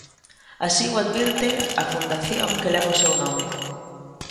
Así o advirte a fundación que leva o seu nome.